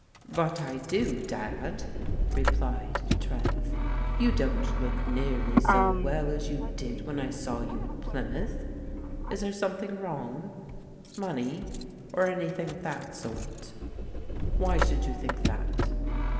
"But I do, Dad," replied Trev. "You don't look nearly so well as you did when I saw you in Plymouth. Is there something wrong? Money, or anything of that sort?" " Why should you think that?